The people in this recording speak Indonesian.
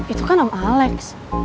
itu kan om alex